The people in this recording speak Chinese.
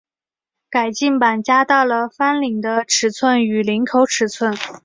改进版加大了翻领的尺寸与领口尺寸。